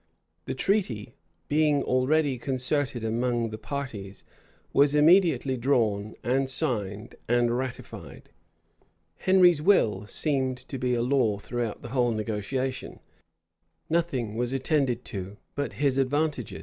The treaty, being already concerted among the parties, was immediately drawn, and signed, and ratified: Henry's will seemed to be a law throughout the whole negotiation: nothing was attended to but his advantages.